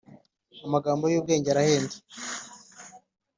amagambo yubwenge arahenda